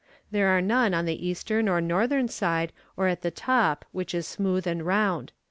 There are none on the eastern or northern side, or at the top, which is smooth and round.